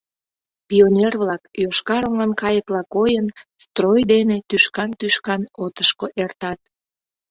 Пионер-влак, йошкар оҥан кайыкла койын, строй дене тӱшкан-тӱшкан отышко эртат.